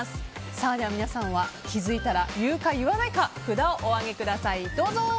では皆さんは気づいたら言うか言わないか札をお上げください。